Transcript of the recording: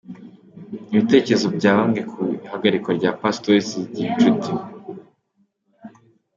Ibitekerezo bya bamwe ku ihagarikwa rya Pastor Zigirinshuti.